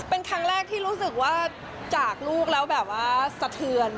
เป็นครั้งแรกที่รู้สึกว่าจากลูกแล้วแบบว่าสะเทือน